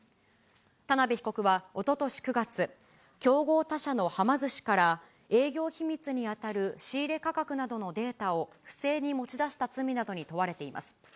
田辺被告はおととし９月、競合他社のはま寿司から営業秘密に当たる仕入れ価格などのデータを不正に持ち出した罪などに問われています。